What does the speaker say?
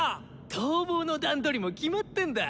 逃亡の段取りも決まってんだ。